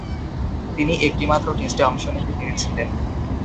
তিনি একটিমাত্র টেস্টে অংশ নিতে পেরেছিলেন।